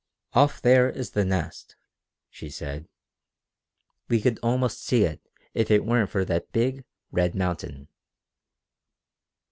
"Off there is the Nest," she said. "We could almost see it if it weren't for that big, red mountain."